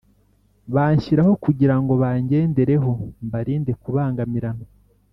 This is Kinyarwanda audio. Banshyiraho kugira ngo bangendereho mbarinde kubangamirana